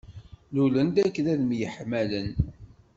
Lulen-d akken ad myeḥmalen.